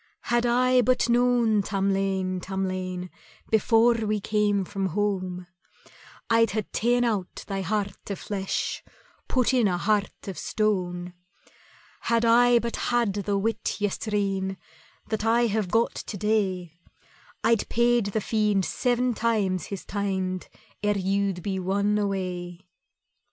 "Had I but known, Tamlane, Tamlane, Before we came from home, I'd hae ta'en out thy heart o' flesh, Put in a heart of stone. "Had I but had the wit yestreen That I have got to day, I'd paid the Fiend seven times his teind Ere you'd been won away."